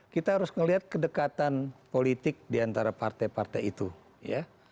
kita harus melihat kedekatan politik diantara partai partai itu ya